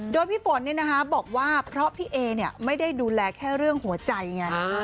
โดยพี่ฝนบอกว่าเพราะพี่เอไม่ได้ดูแลแค่เรื่องหัวใจไง